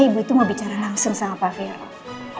ibu itu mau bicara langsung sama pak firl